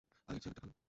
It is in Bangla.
আগের চেয়ে অনেকটা ভালো!